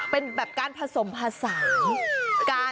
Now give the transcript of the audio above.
เป็นแบบการผสมภาษา